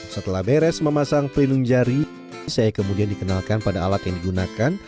setelah beres memasang pelindung jari saya kemudian dikenalkan pada alat yang digunakan